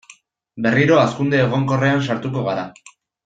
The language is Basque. Berriro hazkunde egonkorrean sartuko gara.